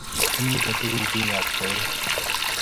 kimite tugul bikaap koret